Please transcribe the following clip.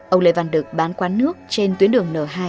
ông lê văn đực bán quán nước trên tuyến đường n hai